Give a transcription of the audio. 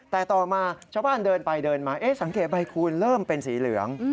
แต่ต่อมาชาวบ้านเดินไปเดินมาสังเกตใบคูณเริ่มเป็นสีเหลือง